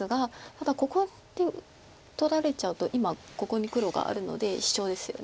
ただここで取られちゃうと今ここに黒があるのでシチョウですよね。